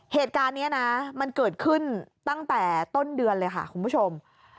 เหตุการณ์นี้นะมันเกิดขึ้นตั้งแต่ต้นเดือนเลยค่ะคุณผู้ชม